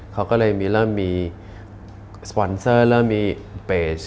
เขาก็เลยเริ่มมีสปอนเซอร์เริ่มมีเปส